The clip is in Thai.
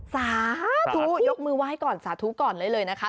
สาธุยกมือไหว้ก่อนสาธุก่อนได้เลยนะคะ